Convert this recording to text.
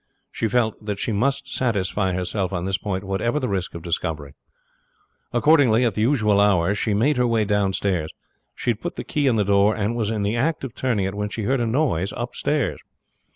She felt that she must satisfy herself on this point whatever the risk of discovery. Accordingly at the usual hour she made her way downstairs. She had put the key in the door, and was in the act of turning it when she heard a noise upstairs.